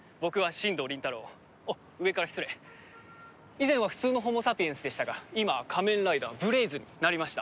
以前は普通のホモサピエンスでしたが今は仮面ライダーブレイズになりました。